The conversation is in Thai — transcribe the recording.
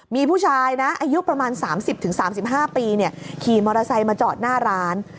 มีผู้ชายนะอายุประมาณ๓๐๓๕ปีขี่มอเตอร์ไซค์มาจอดหน้าร้าน